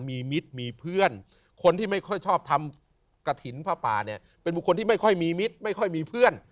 มีมิตรมีเพื่อนคนที่ไม่ค่อยชอบทำกระถิ่นผ้าป่าเนี่ยเป็นบุคคลที่ไม่ค่อยมีมิตรไม่ค่อยมีเพื่อน